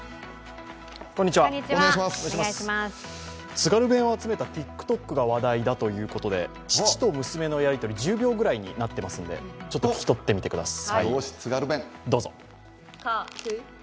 津軽弁を集めたＴｉｋＴｏｋが話題だということで父と娘のやり取り、１０秒ぐらいになってますのでちょっと聴き取ってみてください。